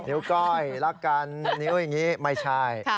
นิ้วก้อยแล้วกันนิ้วยังงี้ไม่ใช่